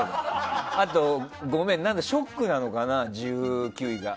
あと、ごめんショックなのかな、１９位が。